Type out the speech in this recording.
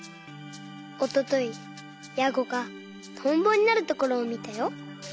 おとといヤゴがトンボになるところをみたよ。